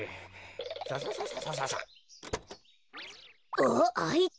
あっあいつは。